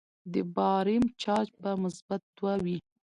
د باریم چارج به مثبت دوه وي.